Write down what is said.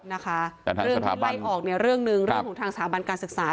เรื่องที่ไล่ออกเนี่ยเรื่องหนึ่งเรื่องของทางสถาบันการศึกษา